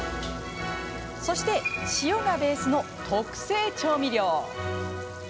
そして、塩がベースの特製調味料。